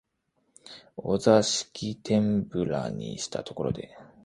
お座敷天婦羅にしたところで、